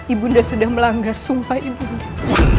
ibu undang sudah melanggar sumpah ibu undang